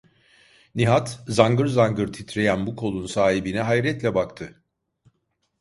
Nihat zangır zangır titreyen bu kolun sahibine hayretle baktı.